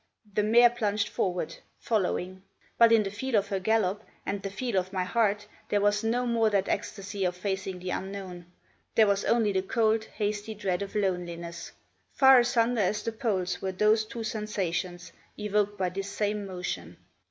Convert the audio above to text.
The mare plunged forward, following. But, in the feel of her gallop, and the feel of my heart, there was no more that ecstasy of facing the unknown; there was only the cold, hasty dread of loneliness. Far asunder as the poles were those two sensations, evoked by this same motion.